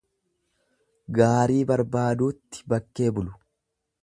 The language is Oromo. Gaarii barbaaduutti bakkee bulu.